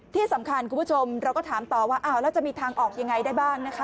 ที่สำคัญคุณผู้ชมเราก็ถามต่อว่าอ้าวแล้วจะมีทางออกยังไงได้บ้างนะคะ